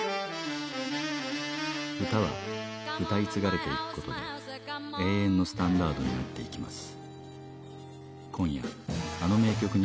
歌は歌い継がれていく事で永遠のスタンダードになっていきます。